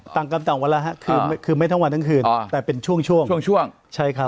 ต่างกรรมต่างวัลฮะคือไม่ทั้งวันทั้งคืนแต่เป็นช่วงช่วงใช่ครับ